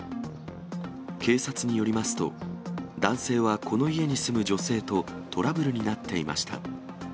警察によりますと、男性はこの家に住む女性とトラブルになっていました。